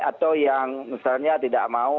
atau yang misalnya tidak mau